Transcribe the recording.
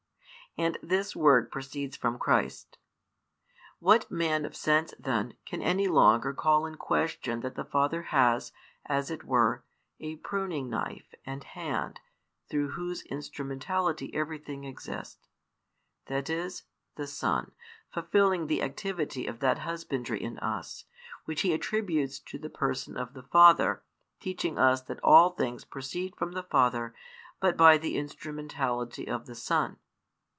And this word proceeds from Christ. What man of sense, then, can any longer call in question that the Father has, as it were, a pruning knife and hand, through whose instrumentality everything exists; that is, the Son, fulfilling the activity of that husbandry in us, which He attributes to the person of the Father, teaching us that all things proceed from the Father but by the instrumentality of the Son?